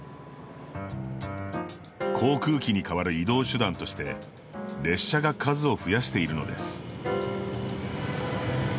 航空機に代わる移動手段として列車が数を増やしているのです。